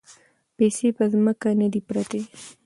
پیسې په ځمکه نه دي پرتې.